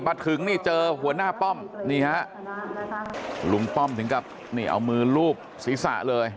มาถึงนี่เจอหัวหน้าป้อมนี่ฮะลุงป้อมถึงกับนี่เอามือลูบศีรษะเลย